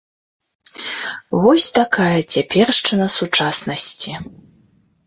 Вось такая цяпершчына сучаснасці.